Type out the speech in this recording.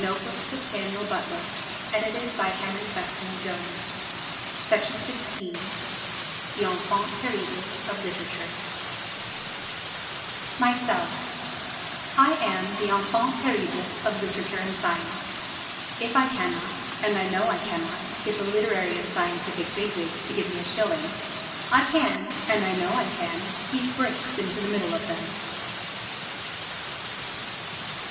I stole it and was bitterly punished. But I saved my soul alive. XII The Enfant Terrible of Literature Myself I AM the enfant terrible of literature and science. If I cannot, and I know I cannot, get the literary and scientific big wigs to give me a shilling, I can, and I know I can, heave bricks into the middle of them.